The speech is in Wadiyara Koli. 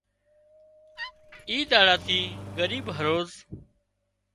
اي ۮاڙا ٿِي ڳريب هروز